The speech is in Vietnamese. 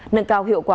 nâng cao hiệu quả